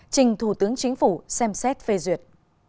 trình thủ tướng chính phủ xem xét phê duyệt